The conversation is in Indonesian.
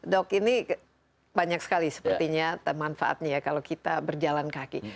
dok ini banyak sekali sepertinya manfaatnya ya kalau kita berjalan kaki